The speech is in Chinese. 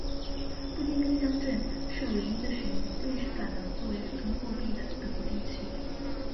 布辛根乡镇是唯一的使用瑞士法郎作为流通货币的德国地区。